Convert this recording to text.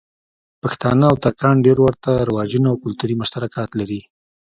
پښتانه او ترکان ډېر ورته رواجونه او کلتوری مشترکات لری.